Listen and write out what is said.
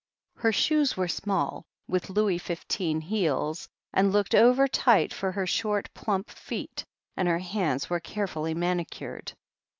Her shoes were small, with Louis XV heels, and looked overtight for her short, plump feet, and her hands were carefully manicured.